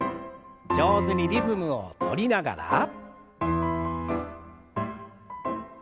上手にリズムをとりながら。